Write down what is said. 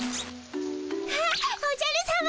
あっおじゃるさま。